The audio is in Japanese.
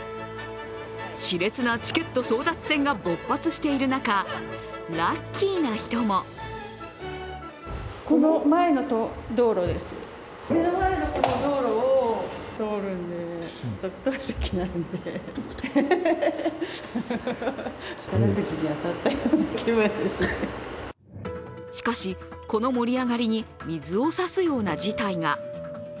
し烈なチケット争奪戦が勃発している中、ラッキーな人もしかし、この盛り上がりに水を差すような事態が。